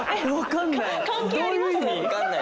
わかんない。